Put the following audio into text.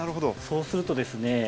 そうするとですね